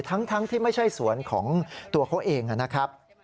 ทั้งที่ไม่ใช่สวนของตัวเขาเองนะครับ